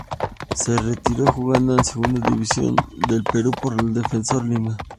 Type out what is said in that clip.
Se retiró jugando en Segunda División del Perú por el Defensor Lima.